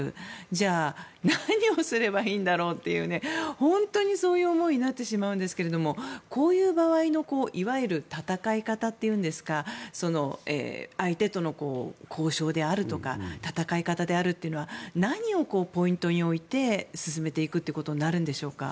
じゃあ何をすればいいんだろうという本当にそういう思いになってしまうんですがこういう場合のいわゆる戦い方といいますか相手との交渉であるとか戦い方であるというのは何をポイントに置いて進めていくことになるんでしょうか？